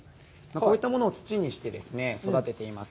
こういったものを土にして育てています。